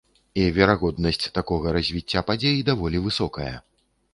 І верагоднасць такога развіцця падзей даволі высокая.